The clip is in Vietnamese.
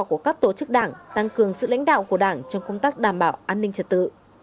của các tổ chức đảng tăng cường sự lãnh đạo của đảng trong công tác đảm bảo an ninh trật tự